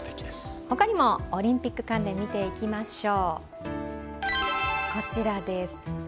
他にもオリンピック関連見ていきましょう。